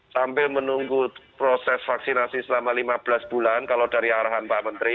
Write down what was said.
sambil menunggu proses vaksinasi selama lima belas bulan kalau dari arahan pak menteri